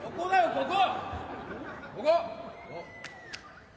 ここ！